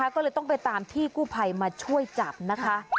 ก็เลยต้องไปตามพี่กู้ภัยมาช่วยจับนะคะ